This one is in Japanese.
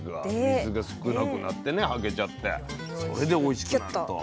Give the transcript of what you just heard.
水が少なくなってねはけちゃってそれでおいしくなると。